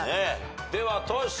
ではトシ。